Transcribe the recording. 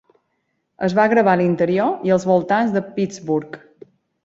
Es va gravar a l'interior i els voltants de Pittsburgh.